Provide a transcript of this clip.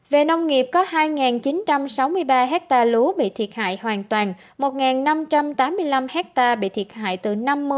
về nông nghiệp có hai chín trăm sáu mươi ba hectare lúa bị thiệt hại hoàn toàn một năm trăm tám mươi năm hectare bị thiệt hại từ năm mươi